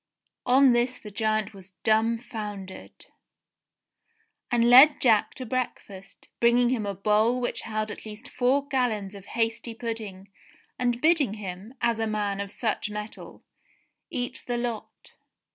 On this the giant was dumbfoundered, and led Jack to breakfast, bringing him a bowl which held at least four gallons of hasty pudding, and bidding him, as a man of such mettle, eat the lot.